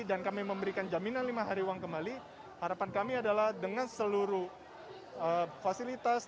kami memberikan jaminan lima hari uang kembali harapan kami adalah dengan seluruh fasilitas